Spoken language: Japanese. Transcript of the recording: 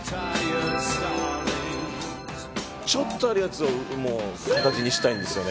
ちょっとあるやつをもう形にしたいんですよね。